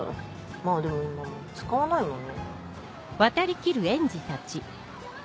まぁでも今使わないもんね。